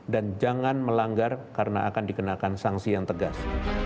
dan jangan melanggar karena akan dikenakan sanksi yang tegas